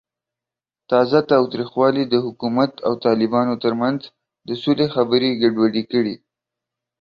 تازه تاوتریخوالی د حکومت او طالبانو ترمنځ د سولې خبرې ګډوډې کړې.